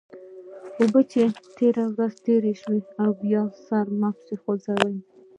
اوبه چې تر ورخ تېرې شي؛ بیا سر مه پسې ګرځوه.